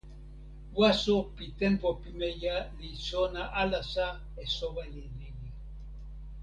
waso pi tenpo pimeja li sona alasa e soweli lili.